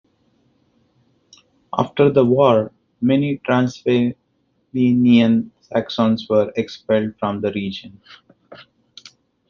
After the war many Transylvanian Saxons were expelled from the region.